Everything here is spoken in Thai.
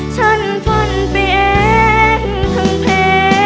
ฉันฝันเปลี่ยนทั้งเพล